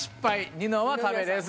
ニノは食べれず。